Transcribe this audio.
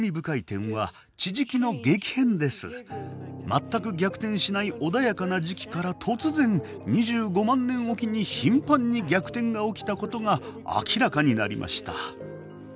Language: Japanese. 全く逆転しない穏やかな磁気から突然２５万年置きに頻繁に逆転が起きたことが明らかになりました。